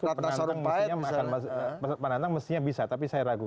itu penantang mestinya bisa tapi saya ragu